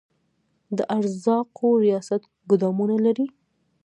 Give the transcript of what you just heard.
د ارزاقو ریاست ګدامونه لري؟